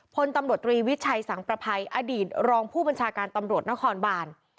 พลตำรวจตรีวิชัยสังประภัยอดีตรองผู้บัญชาการตำรวจนครบาน